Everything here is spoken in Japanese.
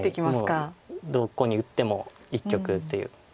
もうどこに打っても一局という。